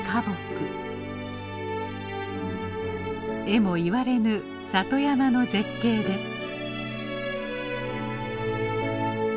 えも言われぬ里山の絶景です。